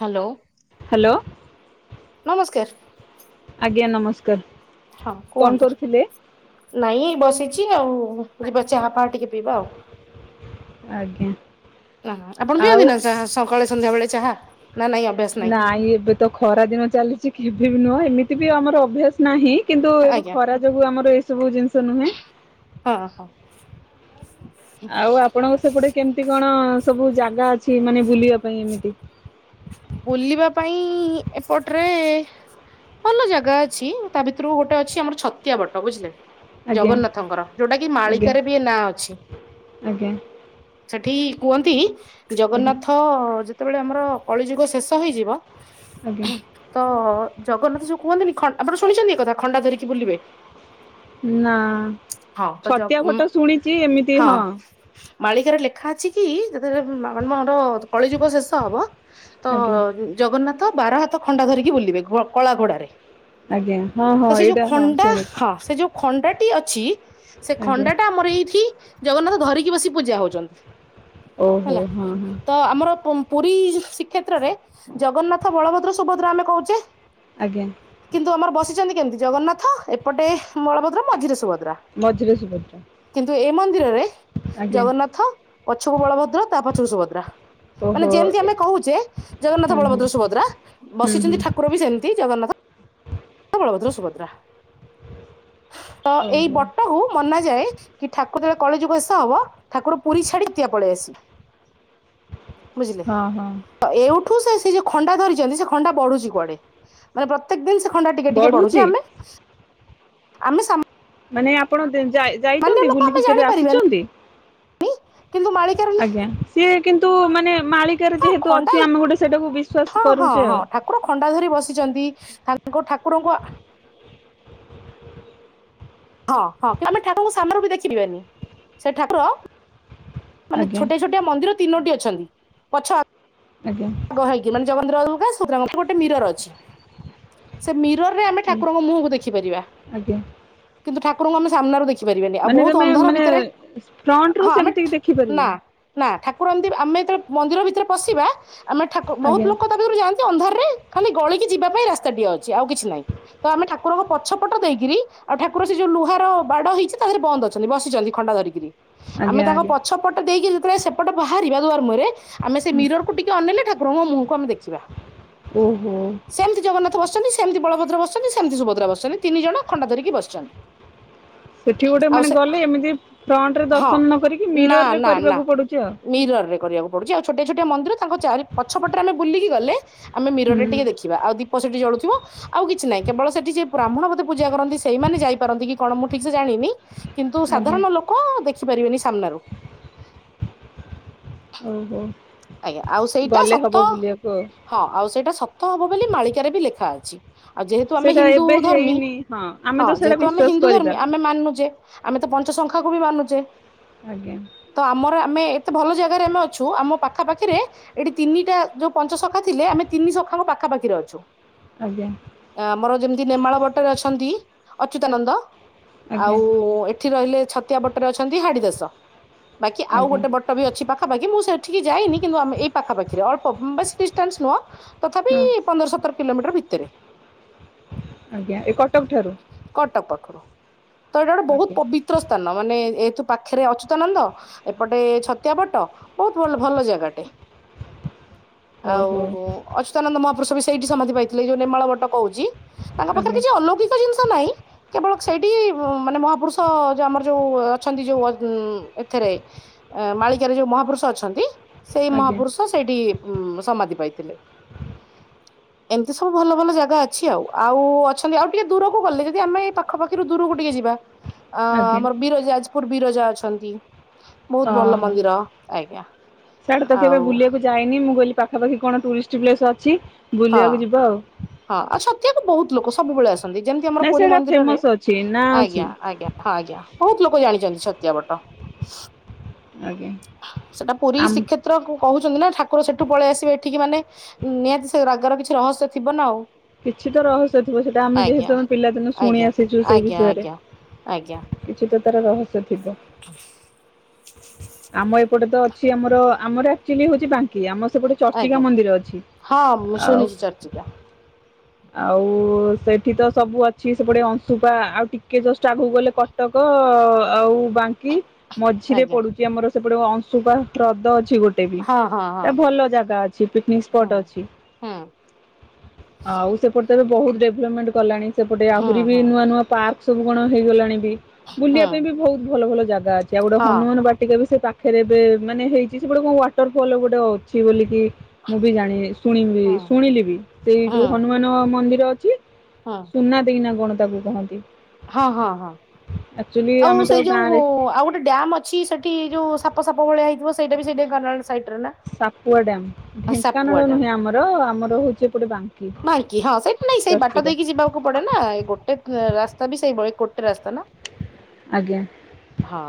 Hello hello ନମସ୍କାର। ଆଜ୍ଞା ନମସ୍କାର। ହଁ କଣ କୁହନ୍ତୁ କରୁଥିଲେ? ନାଇଁ ଏ ବସିଛି ଆଉ ଯିବା ଚାହା ପାହା ଟିକେ ପିଇବା ଆଉ ଆଜ୍ଞା ତାହା ଆପଣ ଆଉ ପିଅନ୍ତି ନା ଚାହା? ସକାଳେ ସନ୍ଧ୍ୟା ବେଳେ ଚାହା ନା ନାଇଁ ଅ ନାଇଁ ଏବେ ତ ଖରା ଦିନ ଚାଲିଚି କେବେବି ନୁହଁ ଏମିତି ବି ଆମର ଅଭ୍ୟାସ ନାହିଁ କିନ୍ତୁ ଏବେ ଆଜ୍ଞା। ଖରା ଯୋଗୁ ଆମର ଏସବୁ ଜିନିଷ ନୁହେଁ ହଁ ହଁ ଓ ହୋ ଆଉ ଆପଣଙ୍କ ସେପଟେ କେମିତି କଣ ସବୁ ଜାଗା ଅଛି ମାନେ ବୁଲିବା ପାଇଁ ଏମିତି? ବୁଲିବା ପାଇଁ ଏପଟରେ ଭଲ ଜାଗା ଅଛି ତା ଭିତରୁ ଗୋଟେ ଅଛି ଆମର ଛତିଆ ବଟ ବୁଝିଲେ ଆଜ୍ଞା ଜଗନ୍ନାଥଙ୍କର ଯୋଉଟା କି ଆଜ୍ଞା ମାଳିକାରେ ବି ଏ ନାଁ ଅଛି। ଆଜ୍ଞା ସେଠି କୁହନ୍ତି ଆଜ୍ଞା ଜଗନ୍ନାଥ ଯେତେବେଳେ ଆମର କଳିଯୁଗ ଶେଷ ହେଇଯିବ। ଆଜ୍ଞା ତ ଜଗନ୍ନାଥ ଯୋଉ କୁହନ୍ତିନି ଖନ ଆପଣ ଶୁଣିଛନ୍ତି ଏକଥା ଖଣ୍ଡା ଧରିକି ବୁଲିବେ? ନା ହଁ ତ ଛତିଆ ଜଗ- ବଟ ଶୁଣିଛି ଏମିତି ହଁ। ମାଳିକାରେ ଲେଖା ଅଛି କି ଯେତେବେଳେର କଳିଯୁଗ ଶେଷ ହବ। ତ ଆଜ୍ଞା ଜଗନ୍ନାଥ ବାର ହାତ ଖଣ୍ଡା ଧରିକି ବୁଲିବେ କଳା ଘୋଡାରେ। ଆଜ୍ଞା ହଁ ତ ହଁ ସେ ଯୋଉ ଏଇଟା ହଁ ଖଣ୍ଡା ଶୁଣିଛି ହଁ ସେ ଯୋଉ ଖଣ୍ଡା ଟି ଅଛି ସେ ଆଜ୍ଞା ଖଣ୍ଡା ଟା ଆମର ଏଇଠି ଜଗନ୍ନାଥ ଧରିକି ବସି ପୂଜା ହଉଛନ୍ତି ଓହୋ ହେଲା ହଁ ହଁ ତ ଆମର ପୁରୀ ଶ୍ରୀକ୍ଷେତ୍ର ରେ ଜଗନ୍ନାଥ ବଳଭଦ୍ର ସୁଭଦ୍ରା ଆମେ କହୁଛେ। ଆଜ୍ଞା। କିନ୍ତୁ ଆମର ବସିଛନ୍ତି କେମିତି ଜଗନ୍ନାଥ ଏପଟେ ବଳଭଦ୍ର ମଝିରେ ସୁଭଦ୍ରା। ମଝିରେ ସୁଭଦ୍ରା। କିନ୍ତୁ ଏ ମନ୍ଦିର ରେ ଆଜ୍ଞା ଜଗନ୍ନାଥ ପଛକୁ ବଳଭଦ୍ର ତା ପଛକୁ ସୁଭଦ୍ରା ମାନେ ଓହୋ ଯେମିତି ଏ ଆମେ କହୁ ଛେ ଜଗନ୍ନାଥ ହୁଁ ହୁଁ ବଳଭଦ୍ର ସୁଭଦ୍ରା ହୁଁ ହୁଁ ବସିଛନ୍ତି ଠାକୁର ବି ସେମିତି ଜଗନ୍ନାଥ ବଳଭଦ୍ର ସୁଭଦ୍ରା ତ ଏଇ ଓହୋ ବଟ ବଟ କୁ ମନାଯାଏ କି ଠାକୁର ଯେତେବେଳେ କଳିଯୁଗ ଶେଷ ହବ ଠାକୁର ପୁରୀ ଛାଡିିଆ ପଳେଇ ଆସି ବୁଝିଲି। ହଁ ହଁ। ତ ଏଇଠୁ ସେ ଯୋଉ ଖଣ୍ଡା ଧରିଛନ୍ତି ସେ ଖଣ୍ଡା ବଢୁଛି କୁଆଡେ। ମାନେ ପ୍ରତ୍ୟେକ ଦିନ ସେ ଖଣ୍ଡା ଟିକେ ଟିକେ ବଢୁଛି ଆମେ ଆମେ ମାନେ ଆପଣ ସାମାନ୍ୟ ଯାଇଛନ୍ତି ଲୋକ ଆମେ ବୁଲିକି କେବେ ଜାଣିପାରିବାନି ଆସିଛନ୍ତି? କିନ୍ତୁ ମାଳିକା ରେ ଆଜ୍ଞା ସିଏ କିନ୍ତୁ ମାନେ ମାଳିକାରେ ଯେହେତୁ ଖଣ୍ଡା ଅଛି ଆମେ ଗୋଟେ ସେଇଟାକୁ ହଁ ବିଶ୍ଵାସ ହଁ କରୁଛେ ହଁ ଆଉ। ଠାକୁର ଖଣ୍ଡା ଧରି ବସିଛନ୍ତି ତାଙ୍କ ଠାକୁର ଙ୍କୁ ହଁ ହଁ କିନ୍ତୁ ଆମେ ଠାକୁର ଙ୍କୁ ସାମ୍ନ ବି ଦେଖିବାନି ସେ ଠାକୁର ମାନେ ଆଜ୍ଞା ଛୋଟିଆ ଛୋଟିଆ ମନ୍ଦିର ତିନୋ ଟି ଅଛନ୍ତି ପଛ ଆଜ୍ଞା। ଆଗ ହେଇକି ମାନେ [unintelligible] ଗୋଟେ ମିରର ଅଛି। ସେ ମିରର ରେ ଆମେ ଆଜ୍ଞା ଠାକୁରଙ୍କ ମୁହଁ କୁ ଦେଖିପାରିବା ଆଜ୍ଞା। କିନ୍ତୁ ଠାକୁରଙ୍କୁ ଆମେ ସାମ୍ନାରୁ ଦେଖ ପାରିବନି ଆଉ ମାନେ ବହୁତ ତମେ ଅନ୍ଧାର ମାନେ ଭିତରେ। ଫ୍ରଣ୍ଟ ରୁ ହଁ ଆମେ ସେମିତି ନା ଦେଖିପାରିବେନି ନା ଠାକୁର ଏମିତି ଆମେ ଯେବେଳେ ମନ୍ଦିର ଭିତରେ ପଶିବା ଆମେ ଠାକୁର ବହୁତ ଆଜ୍ଞା ଲୋକ ତାରୁ ଯାଆନ୍ତି ଅନ୍ଧାରରେ ଖାଲି ଗଳିକି ଯିବା ପାଇଁ ରାସ୍ତାଟିଏ ଅଛି ଆଉ କିଛି ନାହିଁ। ତ ଆମେ ଠାକୁରଙ୍କ ପଛ ପଟ ଦେଇକିରି ଆଉ ଠାକୁର ସେ ଯୋଉ ଲୁହାର ବାଡ ହେଇଛି ତାହରେ ବନ୍ଦ ଅଛନ୍ତି ବସିଛନ୍ତି। ଖଣ୍ଡ ଧରିକରି ଆମେ ଆଜ୍ଞା ତାଙ୍କ ଆଜ୍ଞା ପଛ ପଟେ ଦେଇକି ଯେତେଳେ ସେପଟ ବାହାରିବା ଦୁଆର ମୁହରେ ଆମେ ସେ ହୁଁ, ମିରର ଅନେଇଲେ ଠକୁରଙ୍କ ମୁହଁ କୁ ଆମେ ଦେଖି ଓହୋ। ସେମିତି ଜଗନ୍ନାଥ ବସିଛନ୍ତି ସେମିତି ବଳଭଦ୍ର ବସିଛନ୍ତି ସେମିତି ସୁଭଦ୍ର ବସିଛନ୍ତି ତିନି ଜଣ ଖଣ୍ଡା ଧରିକି ବସିଛନ୍ତି। ସେଠି ଗୋଟେ ଆଉ ମାନେ ସେ ଗଲେ ଏମିତି ଫ୍ରଣ୍ଟ ରେ ହଁ ଦର୍ଶନ ନ କରିକି ମିରର ରେ କରିବାକୁ ପଡୁଛି ଆଉ। ମିର ରେ କରିବାକୁ ପଡୁଛି ଆଉ ଛୋଟିଆ ଛୋଟିଆ ମନ୍ଦିର ତାଙ୍କ ଚାରି ପଛ ପଟରେ ଆମେ ବୁଲିକି ଗଲେ ଆମେ ମିରର ହୁଁ ରେ ଟିକେ ଦେଖିବାୁ ଆଉ ଦୀପ ସେଠି ଜଳୁଥିବ। ଆଉ କିଛି ନାହିଁ କେବଳ ସେଠି ଯିଏ ବ୍ରାହ୍ମଣ ବୋଧେ ପୂଜା କରନ୍ତି ସେମାନେ ଯାଇପାରନ୍ତି କି କଣ ମୁଁ ଠିକ ସେ ଜାଣିନି କିନ୍ତୁ ଆଜ୍ଞା ସାଧାରଣ ଲୋକ ଦେଖି ପାରିବେନି ସାମ୍ନାରୁ। ଓହୋ। ଆଜ୍ଞା ଆଉ ସେଇଟା ଗଲେ ହବ ସତ ବୁଲିବାକୁ ଆଉ ହଁ ଆଉ ସେଇଟା ସତ ହବ ବୋଲି ମାଳିକାରେ ବି ଲେଖା ଅଛି। ଆଉ ଯେହେତୁ ଆମେ ସେଇଟା ହିନ୍ଦୁ ଏବେ ଧର୍ମୀ ହେଇନି ଆମେ ତ ହଁ ସେଇଟା ଯେହେତୁ ଆମେ ବିଶ୍ୱାସ ହିନ୍ଦୁ କରିବା ଧର୍ମୀ ଆମେ ମାନଚେ‌। ଆମେ ତ ପଞ୍ଚ ସଙ୍ଖାକୁ ବି ମାନୁଚେ। ଆଜ୍ଞା। ତ ଆମର ଆମେ ଏତେ ଭଲ ଜାଗାରେ ଆମେ ଅଛୁ ଆମ ପା ପାଖା ପାଖିରେ ଏଠି ତିନିଟା ଯୋଉ ପଞ୍ଚ ସଖା ଥିଲେ ଆମେ ତିନି ସଖାଙ୍କ ପାଖା ପାଖିରେ ଅଛେ। ଆଜ୍ଞା। ଆମର ଯେମିତି ନେମାଳ ବଟରେ ଅଛନ୍ତି ଅଚ୍ୟୁତାନନ୍ଦ। ଆଜ୍ଞା ଆଉ ଏଠି ରହିଲେ ଛତିଆ ବଟରେ ଅଛନ୍ତି ହାଡି ଦାଶ ବାକି ଆଉ ଆଜ୍ଞା ଗୋଟେ ବଟ ତଥାବି ଅଛି ପାଖାପାଖି ମୁଁ ସେଠିକି ଯାଇନି କିନ୍ତୁ ଆମେ ଏଇ ପାଖା ପାଖିରେ ଅଳ୍ପ ବେଶ୍ ଡିଷ୍ଟାନ୍ସ ନୁହଁ। ତଥାପି ହଁ ଏଇ ପନ୍ଦର ସତର କିଲୋମିଟର ଭିତରେ। ଆଜ୍ଞା ଏଇ କଟକ ଠାରୁ। କଟକ ପାଖୁରୁ ତ ଏଇଟା ଗୋଟେ ବହୁତ ଆଜ୍ଞା ପବି ତ୍ର ସ୍ଥାନ ମାନେ ଏଇତୁ ପାଖରେ ଅଚ୍ୟୁତାନନ୍ଦ ଏପଟେ ଛତିଆ ବଟ ବୋହୁ ଭଲ ଭଲ ଜାଗାଟେ ଆଉ ଓହୋ ବୋ ଅଚ୍ୟୁତାନନ୍ଦ ମହାପୁରୁଷ ବି ସେଇଠି ସମାଧି ପାଇଥିଲେ ଏଇ ଯୋଉ ନେମାଳ ବଟ କହୁଚି ତାଙ୍କ ପାଖରେ ଆଜ୍ଞା କିଛି ଅଲୌକି ତ ଜିନିଷ ନାଇଁ। କେବଳ ସେଇଠି ମାନେ ମହାପୁରୁଷ ଯୋଉ ଆମର ଯୋଉ ଅଛନ୍ତି ଯୋଉ ଏଥିରେ ମାଳିକାରେ ଯୋଉ ମହାପୁରୁଷ ଅଛନ୍ତି ସେଇ ଆଜ୍ଞା ମହାପୁରୁଷ। ତ ସେଇଠି ଉଁ ସମାଧି ପାଇଥିଲେ। ଏମିତି ସବୁ ଭଲ ଭଲ ଜାଗା ଅଛି ଆଉ ଆଉ ଅଛନ୍ତି ଆଉ ଟିକେ ଦୂରକୁ ଗଲେ ଯଦି ଆମେ ଏଇ ପାଖପାଖିରୁ ଦୂରକୁ ଟିକେ ଯିବା। ହ ଅଁ ଆମର ବିରଜା ଯାଜପୁର ବିରଜା ଅଛନ୍ତି ବୋହୁତୁ ଭଲ ମନ୍ଦିର ଆଜ୍ଞା। ସିଆଡେ ତ କେବେ ଆଉ ବୁଲିବାକୁ ଯାଇନି ମୁଁ କହିଲି ପାଖାପାଖି କଣ ଟୁରିଷ୍ଟ ପ୍ଲେସ ଅଛି ହଁ ବୁଲିବାକୁ ଯିବା ଆଉ। ହଁ ଆଉ ଛତିଆକୁ ବୋହୁତୁ ଲୋକ ସବୁବେଳେ ଆସନ୍ତି ଯେମିତି ଆମର ନାଇଁ ପୁରୀ ସେଇଟା ମନ୍ଦିରରେ ଫେମସ୍ ଅଛି ନାଁ ଅଛି ଆଜ୍ଞା ଆଜ୍ଞା। ହଁ ଆଜ୍ଞା ବୋହୁତୁ ଲୋକ ଜାଣିଛନ୍ତି ଛତିଆ ବଟ। ଆଜ୍ଞା। ସେଟା ପୁରୀ ଆମ ଶ୍ରୀକ୍ଷେତ୍ର କହୁଛନ୍ତି ନା ଠାକୁର ସେଠୁ ପଳେଇ ଆସିବେ ଏଠିକି ମାନେ ନିହାତି ସେ ରାଗର କିଛି ରହସ୍ୟ ଥିବ ନା ଆଉ। କିଛି ତ ରହସ୍ୟ ଥିବ ସେଟା ଆମେ ଆଜ୍ଞା ଯେହେତୁ ଆମେ ପିଲାଦିନେ ଶୁଣି ଆଜ୍ଞା ଆସିଛୁ ସେଇ ଆଜ୍ଞା ବିଷୟରେ। ଆଜ୍ଞା କିଛି ତ ତାର ରହସ୍ୟ ଥିବ। ହ ଆମ ଏପଟେ ତ ଅଛି ଆମର ଆମର ଆକ୍ଚୁଆଲି ହଉଛି ବାଙ୍କି ଆମ ସେପଟେ ଚର୍ଚିକା ମନ୍ଦିର ଅଛି ଆଉ। ଚର୍ଚିକା। ଆଉ ସେଠି ତ ସବୁ ଅଛି ସେପଟେ ଅଂଶୁପା ଆଉ ଟିକେ ଜଷ୍ଟ ଆଗକୁ ଗଲେ କ କଟକ ଆଉ ବାଙ୍କି। ମଝିରେ ଆଜ୍ଞା ପଡ଼ୁଚି ଆମର ସେପଟେ ଅଂଶୁପା ହ୍ରଦ ଅଛି ଗୋ ହଁ ହଁ ହଁ [unintelligible] ଭଲ ଜାଗା ଅଛି ପିକନିକ ହୁଁ ସ୍ପଟ ଅଛି। ହୁଁ ଆଉ ସେପଟେ ତ ବହୁତ ଡେଭଲପମେଣ୍ଟ କଲାଣି ସେପଟେ ଆହୁରି ହୁଁ ବି ହୁଁ ନୂଆ ନୂଆ ପାର୍କ ସବୁ କଣ ହେଇଗଲାଣି। ବୁଲିବା ହୁଁ ପାଇଁ ବି ବହୁତ ଭଲ ଭଲ ଜାଗା ଅଛି ଆଉ ଗୋଟେ ହଁ ହନୁମାନ ବାଟିକା ବି ସେ ପା ପାଖରେ ଏବେ ମାନେ ହେଇଚି ସେପଟେ କଣ ୱାଟର ଫଲ ଗୋଟେ ଅଛି ବୋଲିକି ମୁଁ ବି ଜାଣି ଶୁଣି ହଁ ଶୁଣିଲି ବି ସେଇ ଯୋଉ ହନୁମାନ ମନ୍ଦିର ଅଛି। ହଁ। ସୁନା ଦେଇନା କଣ ତାକୁ କହନ୍ତି। ହଁ ହଁ ହଁ ଆକ୍ଚୁଆଲି ଆଉ ଆମେ ତ ସେଇ ଯୋଉ ଗାଁରେ ଆଉ ଗୋଟେ ଡ୍ୟାମ ଅ ଅଛି। ସେଠି ଯୋଉ ସାପ ସାପ ଭଳିଆ ହେଇଥିବ ସେଇଟା ବି ସେଇ ଢେଙ୍କାନାଳ ସାଇଟ୍ ରେ ନା? ସାପୁଆ ଡ୍ୟାମ। ସାପୁଆ ଢେଙ୍କାନାଳ ନୁହେଁ ଆମର ଆମର ହଉଛି ଏପଟେ ବାଙ୍କ ମାଇଁ କି ହଁ ସେଇଠୁ ନାଇଁ ସେଇ ବାଟ ଦେଇକି ଯିବା କୁ ପଡେ ନା ଏଇ ଗୋଟେ ରାସ୍ତା ବି ସେଇଭଳି ଗୋଟେ ରାସ୍ତା ନା? ଆଜ୍ଞା। ହଁ।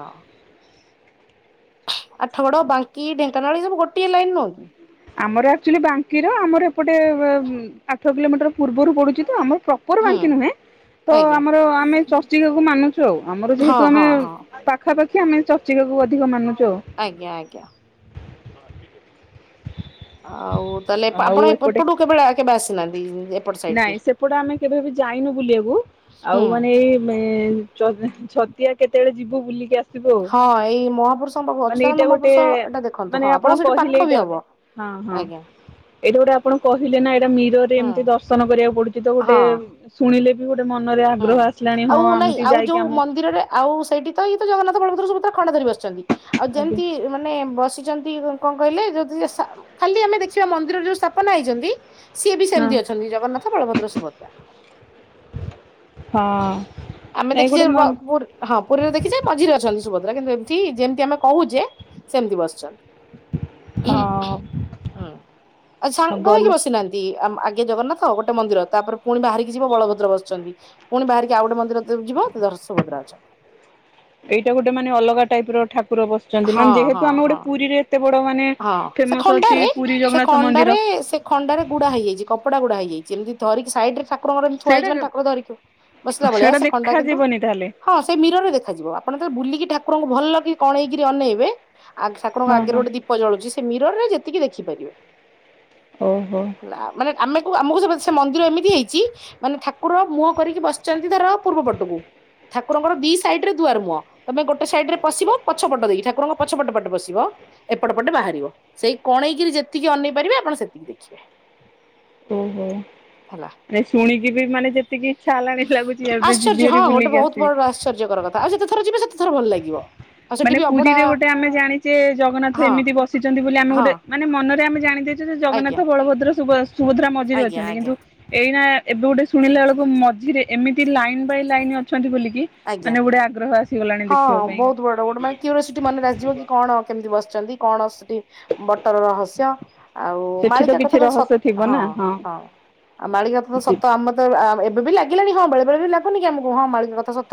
ଆଠ ଗଡ, ବାଙ୍କି, ଢେଙ୍କାନାଳ, ଏସବୁ ଗୋଟିଏ ଲାଇନ ନୁହଁ କି? ଆମର ଆକ୍ଚୁଆଲି ବାଙ୍କିର ଆମର ଏପଟେ ଆଠ କିଲୋମିଟର ପୂର୍ବରୁ ପଡୁଛି ତ ଆମର ପ୍ର ପ୍ରପର ହୁଁ ବାଙ୍କି ନୁହେଁ ତ ଆଜ୍ଞା ଆମର ଆମେ ଚର୍ଚ୍ଚିକାକୁ ମାନୁଛୁ ଆଉ ଆମର ହଁ ଯେହେତୁ ଆମେ ହଁ ହଁ ପାଖାପାଖି ଆମେ ଚର୍ଚ୍ଚିକାକୁ ଅଧିକ ମାନୁଛୁ ଆଉ। ଆଜ୍ଞା, ଆଜ୍ଞା। ଆଉ ତାହେଲେ ଆଉ ଆପଣ ଏପଟେ ଏପଟୁ କେବେ କେବେ ଆସିନାହାନ୍ତି ଏପଟ ସାଇଡ କି? ନାଇଁ ସେପଟେ ଆମେ କେବେ ବି ଯାଇନୁ ବୁଲିବାକୁ ହୁଁ। ଆଉ ମାନେ ଏଇ ଚ ଛତିଆ କେତେବେଳେ ଯିବୁ ବୁଲିକି ଆସ ଆସିବୁ ଆଉ। ହଁ ଏଇ ମହାପୁରୁଷଙ୍କ ପାଖକୁ ମାନେ ଅଚ୍ୟୁତାନନ୍ଦ ଏଇଟା ଗୋଟେ ମହାପୁରୁଷ ଏଟା ଦେଖନ୍ତୁ ମାନେ ହଁ ଆପଣ ଆପଣଙ୍କ ସେଇଠି କହିଲେ ପାଖ ବି ଏଇଟା ହବ। ଗୋଟେ ହଁ ହଁ। ଆଜ୍ଞା ଏଇଟା ଗୋଟେ ଆପଣ କହିଲେ ନା ଏଇଟା ମିରରେ ହଁ ଏମିତି ଦର୍ଶନ କରିବାକୁ ପଡୁଛି ତ ଗୋଟେ ହଁ ଶୁଣିଲେ ବି ଗୋଟେ ମନରେ ହୁଁ ଆଗ୍ରହ ଆସିଲାଣି ହଁ ଆଉ ନାଇଁ ଏମିତି ଆଉ ଯାଇକି ଯୋଉ ଆମେ ମନ୍ଦିରରେ ଆଉ ସେଇଠି ତ ଇଏ ତ ଜଗନ୍ନାଥ ବଳଭଦ୍ର ସୁଭଦ୍ରା ଖଣ୍ଡ ଧରି ବସିଛନ୍ତି। ଆଉ ଆଜ୍ଞା ଯେମିତି ମାନେ ବସି ବସିଛନ୍ତି କଣ କହିଲେ ଯଦି ଖାଲି ଆମେ ଦେଖିବା ମନ୍ଦିରର ଯୋଉ ସ୍ଥାପନା ହେଇଛନ୍ତି ସିଏ ବି ହଁ। ସେମିତି ଅଛନ୍ତି ଜଗନ୍ନାଥ, ବଳଭଦ୍ର, ସୁଭଦ୍ରା। ଆମେ ହଁ। ଏ ଦେଖିଛେ ଗୋଟେ ର ମନ ପୁରୀ ହଁ ପୁରୀରେ ଦେଖିଛେ ମଝିରେ ଅଛନ୍ତି ସୁଭଦ୍ରା କିନ୍ତୁ ଏମିତି ଯେମିତି ଆମେ କହୁଛେ ସେମିତି ବସିଚନ୍ତି। ଉହୁଁ, ହଁ ହୁଁ ଆଉ ଆଉ ସାଙ୍ଗ ଗଲେ ହେଇକି ବସିନାହାନ୍ତି। ନ୍ତି ଆଗେ ଜଗନ୍ନାଥ ଗୋଟେ ମନ୍ଦିର ତାପରେ ପୁଣି ବାହାରିକି ଯିବ ବଳଭଦ୍ର ବସିଛନ୍ତି। ପୁଣି ବାହାରିକି ଆଉ ଗୋଟେ ମନ୍ଦିର ଯିବ ଦଶ ସଭଦ୍ରା ଅଛନ୍ତି। ଏଇଟା ଗୋଟେ ମାନେ ଅଲଗା ଟାଇପ ର ଠାକୁର ବସିଛନ୍ତି। ହଁ ମାନେ ଯେହେତୁ ହଁ ଆମେ ଗୋଟେ ହଁ ପୁରୀରେ ଏତେ ବଡ ମାନେ ହଁ ସେ ଫେମସ ଅଛି ଖଣ୍ଡାରେ ପୁରୀ ସେ ଜଗନ୍ନାଥ ମନ୍ଦିର। ଖଣ୍ଡାରେ ସେ ଖଣ୍ଡାରେ ଗୁଡା ହେଇଯାଇଛି କପଡା ଗୁଡା ହେଇଯାଇଛି ଏମତି ଧରିକି ସାଇଡରେ ଠାକୁରଙ୍କର ଏମିତି ଥୁଆ ସେଇଟା ହେଇଛି ମାନେ ଠାକୁର ଧରିକି ବସିଲା ଭଳିଆ ସେଇଟା ସେ ଖଣ୍ଡା କିନ୍ତୁ ଦେଖାଯିବନି ତାହେଲେ। ହଁ ସେଇ ମୀରରେ ଦେଖାଯିବ ଆପଣ ଯେତବେଳେ ବୁଲିକି ଠାକୁରଙ୍କୁ ଭଲ କିରି କଣେଇକରି ଅନେଇବେ ଆ ଠାକୁରଙ୍କ ହଁ ଆଗରେ ହଁ। ଗୋଟେ ଦୀପ ଜଳୁଛି ସେ ମିର ରେ ଯେତିକି ଦେଖିପାରିବେ। ଓହୋ ହେଲା ମାନେ ଆମେକୁ ଆମକୁ ସେ ମନ୍ଦିର ଏମିତି ହେଇଛି ମାନେ ଠାକୁର ମୁହଁ କରିକି ବସିଛନ୍ତି ତାର ପୂର୍ବ ପଟକୁ। ଠାକୁରଙ୍କର ଦି ସାଇଡ ରେ ଧୁଆର ମୁହଁ। ତମେ ଗୋଟେ ସାଇଡ ରେ ପଶିବ ପଛପଟ ଦେଇକି ଠାକୁରଙ୍କ ପଛପଟ ପଟେ ପସିବ ଏପଟ ପଟେ ବାହାରିବ ସେଇ କଣେଇକିରି ଯେତିକି ଅନେଇ ପାରିବେ ଆପଣ ସେତିକି ଦେଖିବେ। ଓହୋ। ହେଲା ଶୁଣିକି ବି ମାନେ ଯେତିକି ଇଚ୍ଛା ହେଲାଣି ଲାଗୁଛି ଏବେ ଆଶ୍ଚର୍ଯ୍ୟ ହଁ ଯିବିହରି ଗୋଟେ ବୁଲିକି ବହୁତ ବଡ ଆସିବି। ଆଶ୍ଚର୍ଯ୍ୟକର କଥା ଆଉ ଯେତେଥର ଯିବେ ସେତେଥର ଭଲ ଲାଗିବ। ଆଉ ସେଠି ମାନେ ବି ଅଭଡା ପୁରୀରେ ଗୋଟେ ଆମେ ଜାଣିଛେ ଜଗନ୍ନାଥ ହଁ ଏମିତି ବସିଛନ୍ତି ବୋଲି ଆମେ ହଁ ଗୋଟେ ମାନେ ମନରେ ଆମେ ଜାଣି ଛେ ଯେ, ଆଜ୍ଞା ଜଗନ୍ନାଥ, ବଳଭଦ୍ର, ସୁଭଦ୍ରା ମଝିରେ ଆଜ୍ଞା ଅଛନ୍ତି, କିନ୍ତୁ ଆଜ୍ଞା ଏଇନା ଏବେ ଗୋଟେ ଶୁଣିଲା ବେଳକୁ ମଝିରେ ଏମିତି ଲାଇନ୍ ବାଇ ଲାଇନ୍ ଅଛନ୍ତି ବୋଲିକି ଆଜ୍ଞା ମାନେ ଗୋଟେ ଆଗ୍ରହ ଆସିଗଲାଣି ହଁ ଦେଖିବା ପାଇଁ। ବହୁତ ବଡ ଗୋଟେ ମେ [unintelligible] ମନେ ଆସିଯିବ କି କଣ କେମିତି ବସିଛନ୍ତି? କଣ ସେଠି ବଟର ରହସ୍ୟ? ଆଉ ସେଠି ମାଳିକା କିଛି କଥା ତ ସତ। ରହସ୍ୟ ଥିବ ହଁ, ନା ହଁ ଆଉ ମାଳିକା କଥା ତ ସତ। ଆମର ଏବେ ବି ଲାଗିଲାଣି ହଁ, ବେଳେ ବେଳେ ବି ଲାଗୁନି କି ଆମକୁ ହଁ ମାଳିକା କଥା ସତ।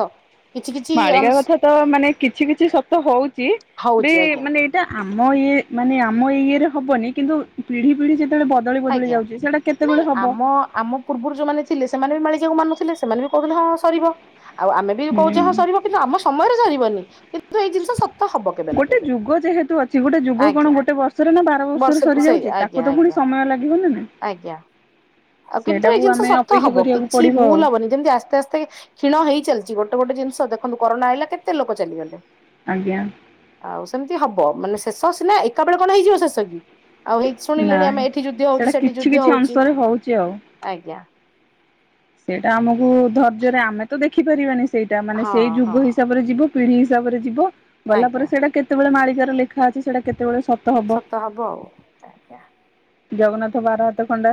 କିଛି କିଛି ମାଳିକା ଅଂଶ କଥା ତ ମାନେ କିଛି କିଛି ସତ ହଉଚି। ବି ହଉଛି ଆଜ୍ଞା ମାନେ ଟା ଆମ ଇଏ ମାନେ ଆମ ଇଏରେ ହବନି, କିନ୍ତୁ ପିଢି ପିଢି ଯେତେବେଳେ ବଦଳି ବଦଳି ଯାଉଛି। ସେଇଟା କେତେବେଳେ ହବ? ହଁ ଆମକୁ ପୂର୍ବରୁ ଯୋଉମାନେ ଥିଲେ ସେମାନେ ବି ମାଳିକା କୁ ମାନୁଥିଲେ, ସେମାନେ ବି କହୁଥିଲେ ହଁ ସରିବ। ଆଉ ଆମେ ବି କହୁଛେ ହୁଁ। ହଁ ସରିବ। କିନ୍ତୁ ଆମ ସମୟରେ ସରିବନି। କିନ୍ତୁ ଏଇ ଜିନିଷ ହବ କେବେ ନା ଗୋଟେ କେବେ। ଯୁଗ ଯେହେତୁ ଅଛି। ଗୋଟେ ଯୁଗ କଣ ଆଜ୍ଞା ଗୋଟେ ବର୍ଷରେ ନା ବାର ବର୍ଷରେ ବର୍ଷକୁ ସେଇ ସରିଯାଉଛି। ଆଜ୍ଞା ତାକୁ ତ ପୁଣି ଆଜ୍ଞା ସମୟ ଲାଗିବ ନା ନାହିଁ। ଆଜ୍ଞା। ଆଉ କିନ୍ତୁ ଏଇ ଜିନିଷ ଆମେ ସତ ଅପେକ୍ଷା ହବ, କରିବାକୁ କିଛି ପଡିବ ଆଉ ଭୁଲ ହବନି। ଯେମିତି ଆସ୍ତେ ଆସ୍ତେ କ୍ଷଣ ହେଇ ଚାଲିଛି, ଗୋଟେ ଗୋଟେ ଜିନିଷ ଦେଖନ୍ତୁ କରୋନା ଆଇଲା କେତେ ଲୋକ ଚାଲିଗଲେ। ଆଜ୍ଞା। ଆଉ ସେମିତି ହବ, ମାନେ ଶେଷ ସିନା ଏକା ବେଳେ କଣ ହେଇଯିବ ଶେଷ କି? ଆଉ ହେଇ ଶୁଣିଲେଣି ନାଇଁ ଆମେ ଏଠି ଯୁଦ୍ଧ ସେଇଟା ହଉଛି ସେଠି କିଛି ଯୁଦ୍ଧ କିଛି ହଉଛି। ଅଂଶରେ ହଉଛି ଆଉ। ଆଜ୍ଞା। ସେଇଟା ଆମକୁ ଧୈର୍ଯ୍ୟରେ, ଆମେ ତ ଦେଖିପାରିବାନି? ସେଇଟା, ମାନେ ହଁ ସେଇ ହଁ। ଯୁଗ ହିସାବରେ ଯିବ, ପିଢି ହିସାବରେ ଯିବ, ଗଲା ପରେ ଆଜ୍ଞା ସେଇଟା କେତେ କେତେବେଳେ ମାଳିକାରେ ଲେଖା ଅଛି। ସେଇଟା କେତେବେଳେ ସ ସତ ହବ ଆଉ। ଆଜ୍ଞା ଜଗନ୍ନାଥ ବାର ହାତ ଖଣ୍ଡା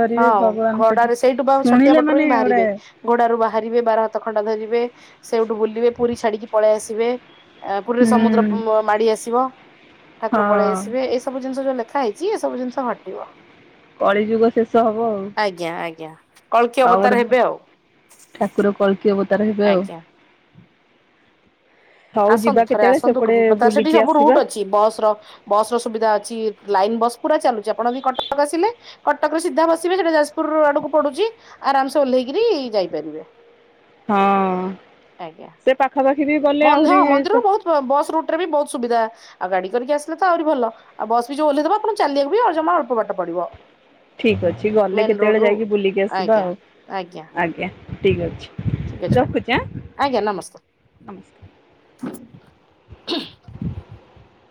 ଧରିବେ। ହଁ ଭଗବାନ ସେଟା ଘୋଡାରେ ସେଇଠୁ ବା ଛତିଆ ଶୁଣିଲେ ବଟରୁ ହିଁ ମାନେ ଗୋଟେ ବାହାରିବେ। ଘୋଡାରୁ ବାହାରିବେ, ବାର ହାତ ଖଣ୍ଡା ଧରିବେ, ସେଇଠୁ ବୁଲିବେ, ପୁରୀ ଛାଡିକି ପଳେଇ ଆସିବେ, ଏ ପୁରୀରେ ହୁଁ ସମୁଦ୍ର ମାଡି ଆସିବ, ଠାକୁର ପଳେଇ ହଁ ଆସିବେ, ଏଇ ସବୁ ଜିନିଷ ଯୋଉ ଲେଖା ହେଇଛି ଏ ସବୁ ଜିନିଷ ହଟିବ। କଳିଯୁଗ ଶେଷ ହବ ଆଉ। ଆଜ୍ଞା। ଆଜ୍ଞା। କଳ୍କୀ ଆଉ ଅବତାର ଗୋଟେ ହେବେ ଆଉ। ଠାକୁର କଳକୀ ଅବତାର ହେବେ ଆଉ। ଆଜ୍ଞା ହଉ ଯିବା ଆସନ୍ତୁ, ଥରେ କେତେବେଳେ ଆସନ୍ତୁ। ସେପଟେ ତାର ସେଠି ବୁଲିକି ସବୁ ଆସିବା। ରୁଟ ଅଛି। ବସ ର ବସ୍ ର ସୁବିଧା ଅଛି। ଲାଇନ ବସ୍ ପୁରା ଚାଲୁଛି, ଆପଣ ଯଦି କଟକ ଆସିଲେ କଟକରେ ସିଧା ବସିବେ, ସେଟା ଯାଜପୁର ରୋଡ଼ ଆଡକୁ ପଡୁଛି, ଆରାମ ସେ ଓହ୍ଲେଇକରି ଯାଇପାରିବେ। ହଁ, ଆଜ୍ଞା ସେ ପାଖାପାଖି ବି ଗଲେ ହଁ, ଆହୁରି ମନ୍ଦିରରୁ ବହୁତ ବସ୍ ରୁଟରେ ବି ବହୁତ ସୁବିଧା। ଆଉ ଗାଡି କରିକି ଆସିଲେ ତ ଆହୁରି ଭଲ। ଆଉ ବସ୍ ବି ଯୋଉ ଓଲେହି ଦେବ, ଆପଣ ଚାଲିବାକୁ ବି ଆଉ ଜମା ଅଳ୍ପ ବାଟ ପଡିବ। ଠିକ୍ ଅଛି। ଗଲେ ମେନ ରୋଡ କେତେବେଳେ ରୁ ଯାଇକି ବୁଲିକି ଆସିବା ଆଜ୍ଞା ଆଉ, ଆଜ୍ଞା ଠିକ୍ ଅଛି। ଠିକ ଅଛି ମ୍ୟାଡାମ ରଖୁଛି ଆଁ? ଆଜ୍ଞା। ନମସ୍କାର। [unintelligible]